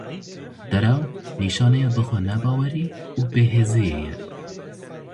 Derew, nîşaneya bixwenebawerî û bêhêziyê ye.